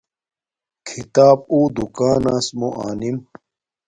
کھیتاپ اُو دوکاناس موں آنم